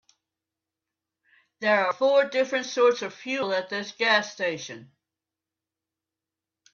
There are four different sorts of fuel at this gas station.